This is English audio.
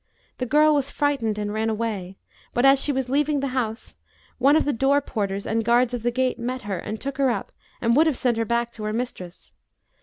The girl was frightened and ran away; but, as she was leaving the house, one of the door porters and guards of the gate met her and took her up and would have sent her back to her mistress.